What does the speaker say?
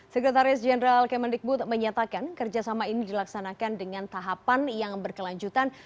sekretaris jenderal kemendikbud menyatakan kerjasama ini dilaksanakan dengan tahapan yang berkelanjutan